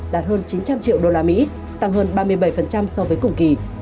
đạt hơn chín trăm linh triệu usd tăng hơn ba mươi bảy so với cùng kỳ